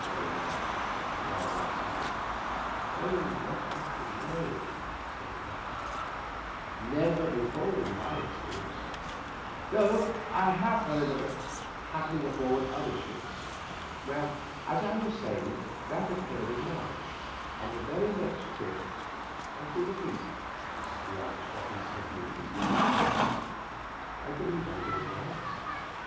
" I remarked, rather absently. "Not often — no," said the captain; "never before in my experience, though I have heard of it happening Digitized by VjOOQIC 46 THE UPPER BERTH. on board of other ships. Well, as I was saying, that oc curred in March. On the very next trip — What are you looking at ?" he asked, stopping suddenly in his narration. I believe I gave no answer.